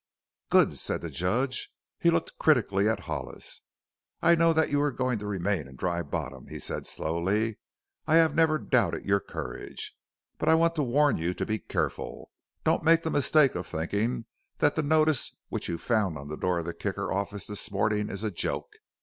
"Good!" said the Judge. He looked critically at Hollis. "I know that you are going to remain in Dry Bottom," he said slowly; "I have never doubted your courage. But I want to warn you to be careful. Don't make the mistake of thinking that the notice which you found on the door of the Kicker office this morning is a joke.